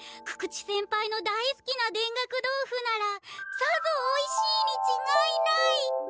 久々知先輩の大すきな田楽豆腐ならさぞおいしいにちがいない。